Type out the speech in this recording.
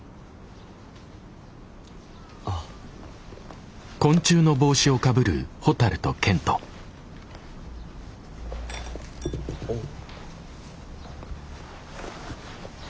あっ。おっ。